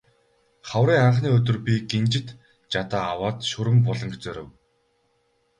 Хаврын анхны өдөр би гинжит жадаа аваад Шүрэн буланг зорив.